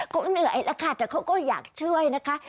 เขาเหนื่อยแล้วค่ะแต่เขาก็อยากช่วยนะคะ